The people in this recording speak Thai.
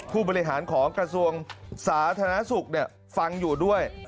ผู้บริหารของกระทรวงสาธารณสุขฟังอยู่ด้วย